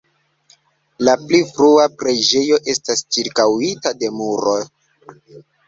La pli frua preĝejo estas ĉirkaŭita de muro.